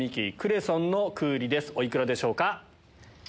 お幾らでしょうか？